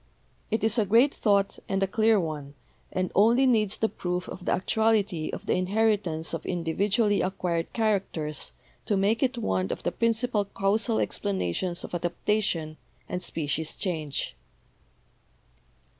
It is a great thought and a clear one, and only needs the proof of the actuality of the inheritance of individually acquired characters to make it one of the principal causal explanations of adaptation and species change.